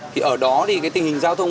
thì ở đó thì cái tình hình giao thông